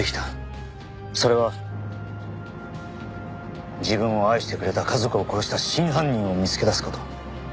それは自分を愛してくれた家族を殺した真犯人を見つけ出す事。